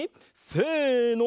せの。